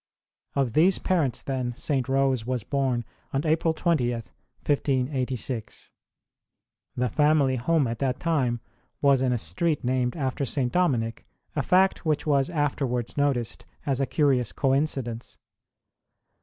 Of these parents, then, St. Rose was born on April 20, 1586. The family home at that time v/as in a street named after St. Dominic, a fact which \vas afterwards noticed as a curious coinci dence.